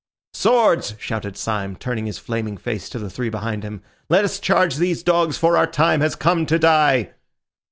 "Swords!" shouted Syme, turning his flaming face to the three behind him. "Let us charge these dogs, for our time has come to die."